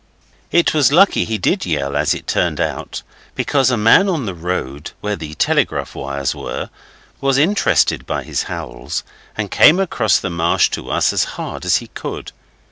It was lucky he did yell, as it turned out, because a man on the road where the telegraph wires were was interested by his howls, and came across the marsh to us as hard as he could.